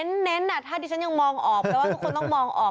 เง็นอ่ะถ้าที่ฉันยังมองออกเราว่าทุกคนต้องมองออก